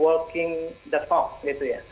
working the talk gitu ya